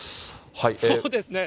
そうですね。